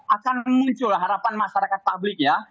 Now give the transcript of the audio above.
akan muncul harapan masyarakat publik ya